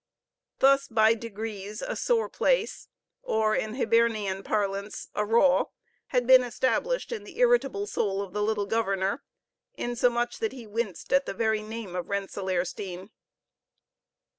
Thus by degrees a sore place, or, in Hibernian parlance, a raw, had been established in the irritable soul of the little governor, insomuch that he winced at the very name of Rensellaersteen.